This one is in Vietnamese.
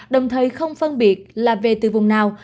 đồng thời không phân biệt là về từ vùng nào